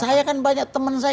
saya kan banyak teman saya